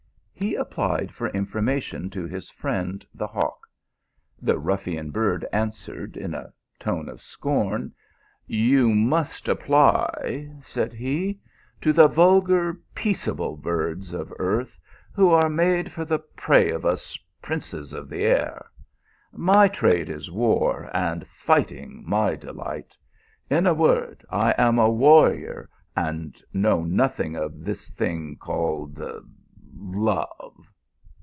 " He applied for information to his friend the hawk. The ruffian bird answered in a tone of scorn, " You must apply, said he, " to the vulgar, peaceable birds of earth, who are made for the prey of us princes of the air. My trade is war, and righting my delight. In a word, 1 am a warrior, and know nothing of this thing called love."